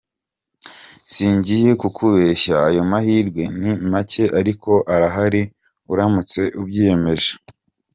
Singiye kukubeshya ayo mahirwe ni make ariko arahari uramutse ubyiyemeje.